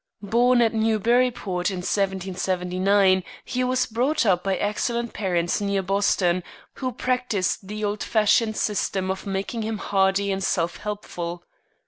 Born at Newburyport, in 1779, he was brought up by excellent parents near Boston, who practiced the old fashioned system of making him hardy and self helpful.